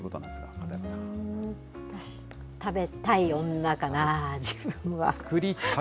私、食べたい女かな、自分は。